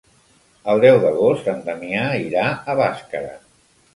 El deu d'agost en Damià irà a Bàscara.